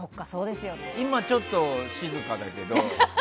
今、ちょっと静かだけど。